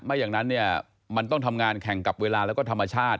อย่างนั้นเนี่ยมันต้องทำงานแข่งกับเวลาแล้วก็ธรรมชาติ